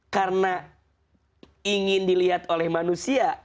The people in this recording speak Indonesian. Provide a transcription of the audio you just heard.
karena ingin dilihat oleh manusia